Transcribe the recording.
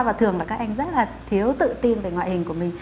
và thường là các anh rất là thiếu tự tin về ngoại hình của mình